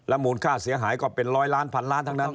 มูลค่าเสียหายก็เป็นร้อยล้านพันล้านทั้งนั้น